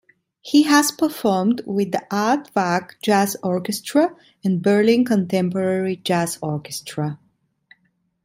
He has performed with the Aardvark Jazz Orchestra and Berlin Contemporary Jazz Orchestra.